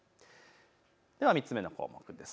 では３つ目の項目です。